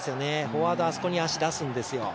フォワードはあそこに足、出すんですよね。